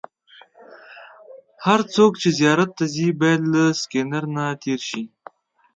هر څوک چې زیارت ته ځي باید له سکېنر نه تېر شي.